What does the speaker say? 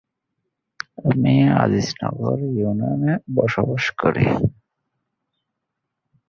এটি টেনিসের অন্যতম সম্মানজনক ইভেন্ট, এবং সব টেনিস ইভেন্টের মধ্যে এর রয়েছে বিশ্বব্যাপী সবচেয়ে বেশি সম্প্রচার ও দর্শক শ্রোতা।